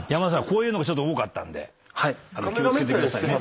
こういうの多かったんで気を付けてくださいね。